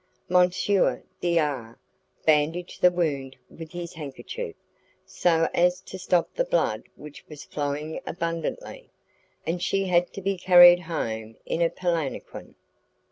M. D R bandaged the wound with his handkerchief, so as to stop the blood which was flowing abundantly, and she had to be carried home in a palanquin.